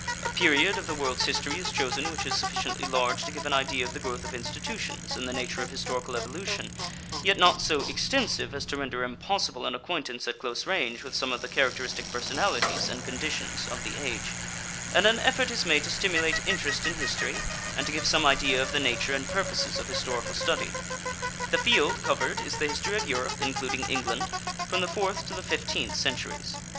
A period of the world's history is chosen which is sufficiently large to give an idea of the growth of institutions and the nature of historical evolution, yet not so extensive as to render impossible an acquaintance at close range with some of the characteristic personalities and conditions of the age; and an effort is made to stimulate interest in history and to give some idea of the nature and purposes of historical study. The field covered is the history of Europe, including England, from the fourth to the fifteenth centuries.